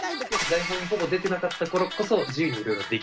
台本にほぼ出てなかったからこそ自由にいろいろできた。